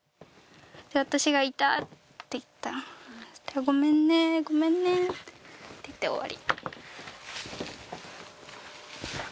私が「痛っ！」って言ったら「ごめんねごめんね」って言って終わり。